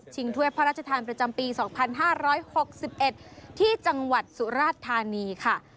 ถ้วยพระราชทานประจำปี๒๕๖๑ที่จังหวัดสุราธานีค่ะ